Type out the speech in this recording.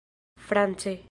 france